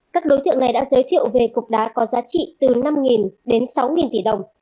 các đối tượng này đã giới thiệu về cục đá có giá trị từ năm đến sáu tỷ đồng